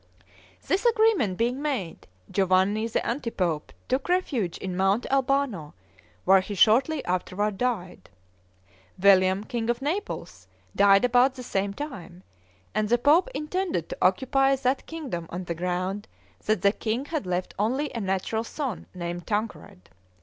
This agreement being made, Giovanni the anti pope took refuge in Mount Albano, where he shortly afterward died. William, king of Naples, died about the same time, and the pope intended to occupy that kingdom on the ground that the king had left only a natural son named Tancred.